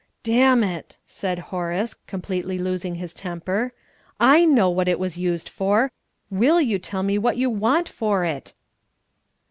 "Damn it!" said Horace, completely losing his temper. "I know what it was used for. Will you tell me what you want for it?"